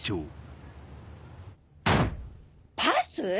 パス⁉